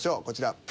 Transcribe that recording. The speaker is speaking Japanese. こちら。